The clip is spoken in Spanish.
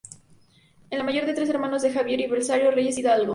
Es la mayor de tres hermanos, de Xavier y Belisario Reyes Hidalgo.